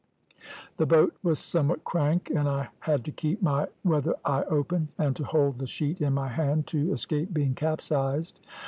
"The boat was somewhat crank, and I had to keep my weather eye open, and to hold the sheet in my hand to escape being capsized.